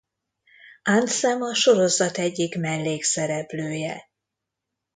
Ansem a sorozat egyik mellékszereplője.